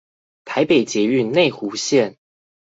台北捷運內湖線